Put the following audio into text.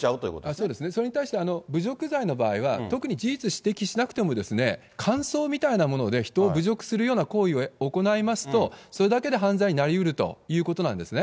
そうですね、それに対して、侮辱罪の場合は、特に事実指摘しなくても感想みたいなもので人を侮辱するような行為を行いますと、それだけで犯罪になりうるということなんですね。